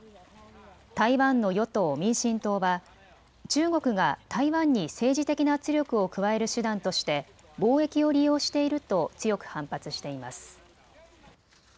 台湾の与党・民進党は中国が台湾に政治的な圧力を加える手段として貿易を利用していると強く反発しています。